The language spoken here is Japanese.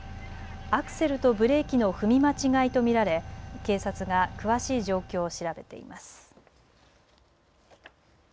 アクセルとブレーキの踏み間違いと見られ警察が詳しい状況を調べています。